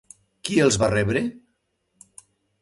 Qui els va rebre?